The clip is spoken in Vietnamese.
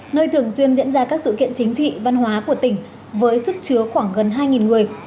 nơi thường xuyên diễn ra các sự kiện chính trị văn hóa của tỉnh với sức chứa khoảng gần hai người